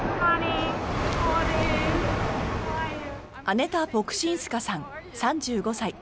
アネタ・ポクシンスカさん３５歳。